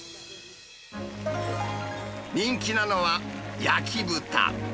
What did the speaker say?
人気なのは、焼豚。